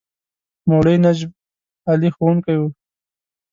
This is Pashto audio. مولوي نجف علي ښوونکی وو.